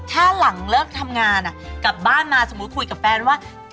ถ้าหลังเลิกทำงานกลับบ้านมาสมมุติคุยกับแฟนว่า